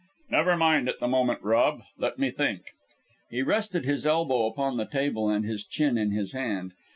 "Never mind at the moment, Rob; let me think." He rested his elbow upon the table, and his chin in his hand.